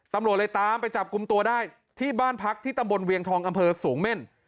ตำรวจเลยตามไปจับกลุ่มตัวได้ที่บ้านพักที่ตำบลเวียงทองอำเภอสูงเม่น